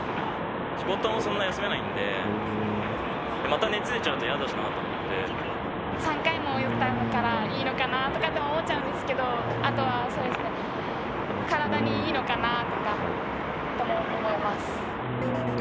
仕事もそんな休めないんで、また熱出ちゃうと嫌だしなと思っ３回も打ったからいいのかなとかと思っちゃうんですけど、あとはそうですね、体にいいのかな？とかとも思います。